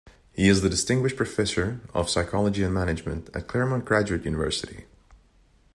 He is the Distinguished Professor of Psychology and Management at Claremont Graduate University.